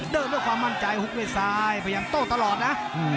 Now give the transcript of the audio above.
เดินด้วยความมั่นใจฮุกไว้ซ้ายพยายามโตตลอดนะ